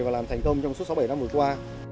và làm thành công trong suốt sáu mươi bảy năm vừa qua